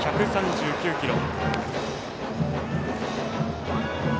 １３９キロ。